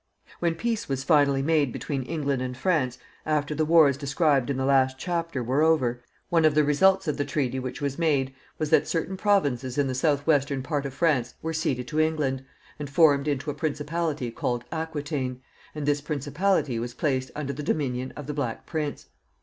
When peace was finally made between England and France, after the wars described in the last chapter were over, one of the results of the treaty which was made was that certain provinces in the southwestern part of France were ceded to England, and formed into a principality called Aquitaine, and this principality was placed under the dominion of the Black Prince.